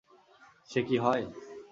সে কি হয়?